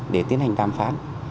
để tiến hành đàm phán